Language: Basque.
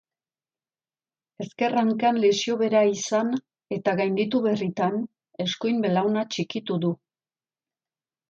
Ezker hankan lesio bera izan eta gainditu berritan, eskuin belauna txikitu du.